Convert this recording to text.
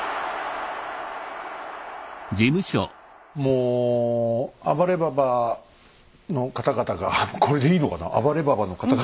もう暴れババの方々がこれでいいのかな。